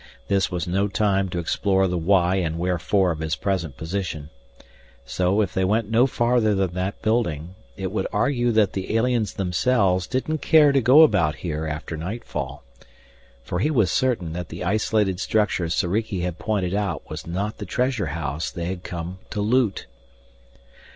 This was no time to explore the why and wherefore of his present position. So, if they went no farther than that building, it would argue that the aliens themselves didn't care to go about here after nightfall. For he was certain that the isolated structure Soriki had pointed out was not the treasure house they had come to loot.